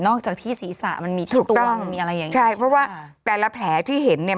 จากที่ศีรษะมันมีที่ต้วงมันมีอะไรอย่างเงี้ใช่เพราะว่าแต่ละแผลที่เห็นเนี่ย